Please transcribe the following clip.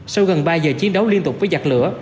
sau gần ba giờ chiến đấu liên tục với giặc lửa